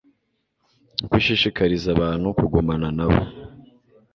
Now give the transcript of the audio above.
uko ishishikariza abantu kugumana n'abo